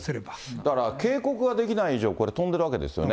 だから警告ができない以上、これ、飛んでるわけですよね。